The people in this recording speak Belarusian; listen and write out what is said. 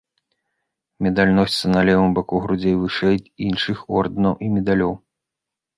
Медаль носіцца на левым боку грудзей вышэй іншых ордэнаў і медалёў.